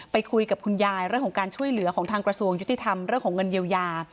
คุยกับคุณยายเรื่องของการช่วยเหลือของทางกระทรวงยุติธรรมเรื่องของเงินเยียวยา